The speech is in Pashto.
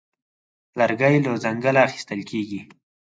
لرګی له ځنګله اخیستل کېږي.